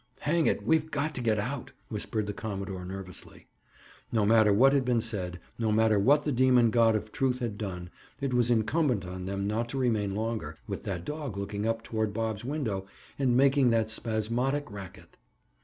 "Hang it, we've got to get out," whispered the commodore nervously. No matter what had been said; no matter what the Demon God of Truth had done, it was incumbent on them not to remain longer, with that dog looking up toward Bob's window and making that spasmodic racket.